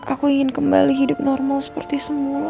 aku ingin kembali hidup normal seperti semua